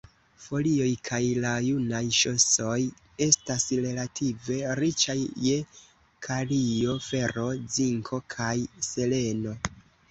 Folioj kaj la junaj ŝosoj estas relative riĉaj je kalio, fero, zinko kaj seleno.